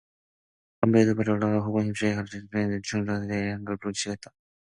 건배의 두 팔이 올라갔다가 허공을 힘있게 가르자 청년들은 정중한 태도로 애향가를 부르기 시작한다.